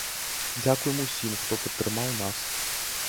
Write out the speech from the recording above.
Дзякуем усім, хто падтрымаў нас.